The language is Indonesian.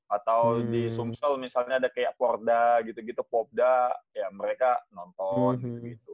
atau di sumsel misalnya ada kayak porda gitu gitu popda kayak mereka nonton gitu